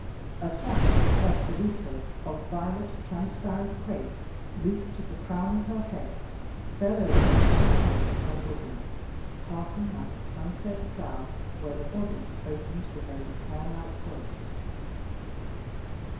A sash, or fazoletto, of violet transparent crape, looped at the crown of her head, fell over the shy lift of her bosom, parting like a sunset cloud, where the boddice opened below the pear like waist.